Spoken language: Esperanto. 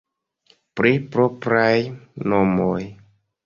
Pri propraj nomoj.